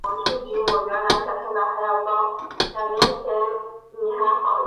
维拉克。